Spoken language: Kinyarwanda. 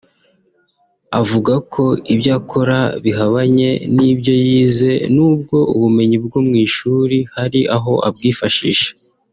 avuga ko ibyo akora bihabanye n’ibyo yize nubwo ubumenyi bwo mu ishuri hari aho abwifashisha